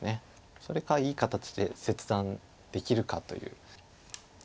それかいい形で切断できるかという。